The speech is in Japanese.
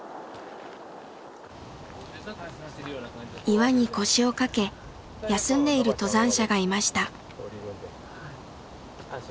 岩に腰を掛け休んでいる登山者がいました。